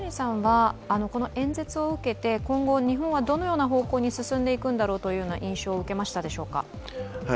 この演説を受けて今後、日本はどのような方向に進んでいくという印象を受けましたでしょうか？